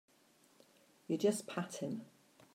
You just pat him.